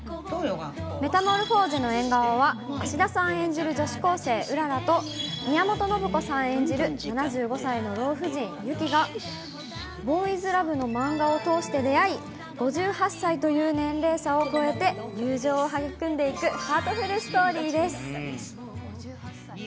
メタモルフォーゼの縁側は、芦田さん演じる女子高生、うららと、宮本信子さん演じる７５歳の老婦人、雪が、ボーイズラブの漫画を通して出会い、５８歳という年齢差を超えて、友情を育んでいくハートフルストーリーです。